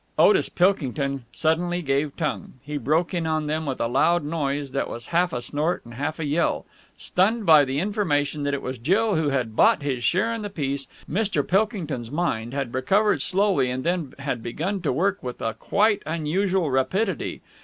Otis Pilkington suddenly gave tongue. He broke in on them with a loud noise that was half a snort and half a yell. Stunned by the information that it was Jill who had bought his share in the piece, Mr. Pilkington's mind had recovered slowly and then had begun to work with a quite unusual rapidity.